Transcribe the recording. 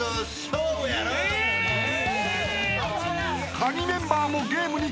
［カギメンバーもゲームに挑戦］